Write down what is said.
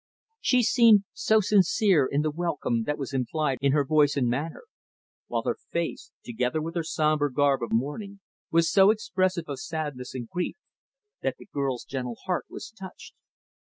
She seemed so sincere in the welcome that was implied in her voice and manner; while her face, together with her somber garb of mourning, was so expressive of sadness and grief that the girl's gentle heart was touched.